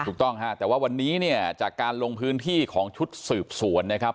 ถูกต้องฮะแต่ว่าวันนี้เนี่ยจากการลงพื้นที่ของชุดสืบสวนนะครับ